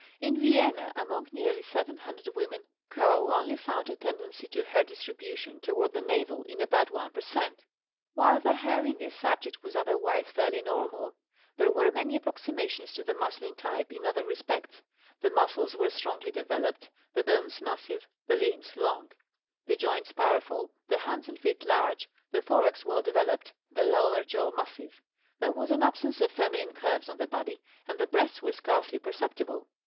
(In Vienna among nearly 700 women Coe only found a tendency to hair distribution toward the navel in about 1 per cent.). While the hair in this subject was otherwise fairly normal, there were many approximations to the masculine type in other respects: the muscles were strongly developed, the bones massive, the limbs long, the joints powerful, the hands and feet large, the thorax well developed, the lower jaw massive; there was an absence of feminine curves on the body and the breasts were scarcely perceptible.